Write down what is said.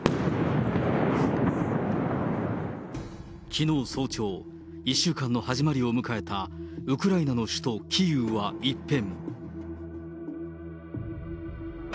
きのう早朝、１週間の始まりを迎えたウクライナの首都キーウは一変。